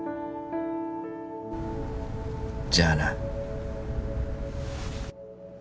じゃあな